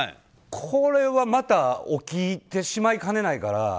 これはまた起きてしまいかねないから。